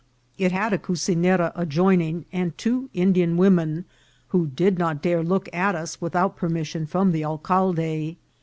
It had a cucinera ad joining, and two Indian women, who did not dare look at us without permission from the alcalde.